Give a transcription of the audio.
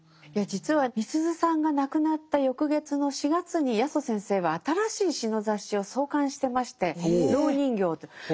いや実はみすゞさんが亡くなった翌月の４月に八十先生は新しい詩の雑誌を創刊してまして「蝋人形」と。